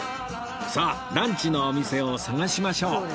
さあランチのお店を探しましょう